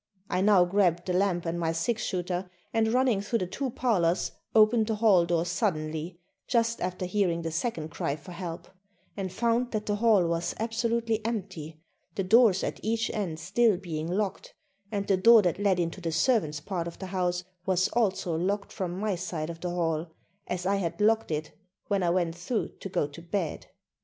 I now grabbed the lamp and my six shooter and running through the two parlors opened the hall door suddenly, just after hearing the second cry for help, and found that the hall was absolutely empty, the doors at each end still being locked, and the door that led into the servants' part of the house was also locked from my side of the hall, as I had locked it when I went through to go to bed.